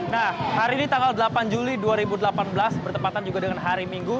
nah hari ini tanggal delapan juli dua ribu delapan belas bertempatan juga dengan hari minggu